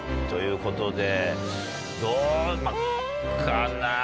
ということでどうかな